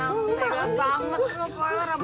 aduh ma eroh